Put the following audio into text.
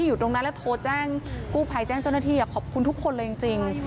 อยู่ตรงนั้นแล้วโทรแจ้งกู้ภัยแจ้งเจ้าหน้าที่ขอบคุณทุกคนเลยจริง